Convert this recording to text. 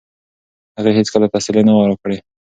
هغې هیڅکله تسلي نه وه راکړې.